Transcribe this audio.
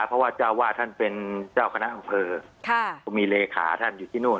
เพราะว่าเจ้าวาดท่านเป็นเจ้าคณะอำเภอก็มีเลขาท่านอยู่ที่นู่น